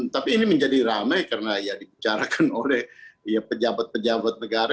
tapi ini menjadi ramai karena ya dibicarakan oleh pejabat pejabat negara